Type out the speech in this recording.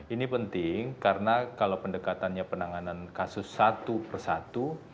ini penting karena kalau pendekatannya penanganan kasus satu persatu